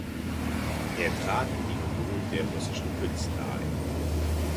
Er trat in die Union der Russischen Künstler ein.